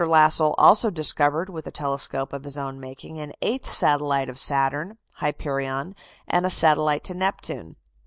Lassell also discovered, with a telescope of his own making, an eighth satellite of Saturn Hyperion and a satellite to Neptune.